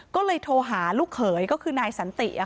ก็เลยโทรหาลูกเขยก็คือนายสันติ